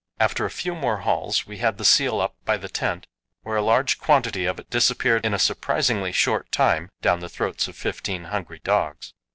After a few more hauls we had the seal up by the tent, where a large quantity of it disappeared in a surprisingly short time down the throats of fifteen hungry dogs.